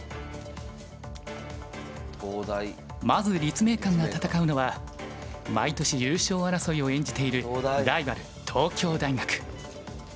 まず立命館が戦うのは毎年優勝争いを演じているライバル東京大学。